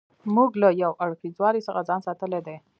موږ له یو اړخیزوالي څخه ځان ساتلی دی.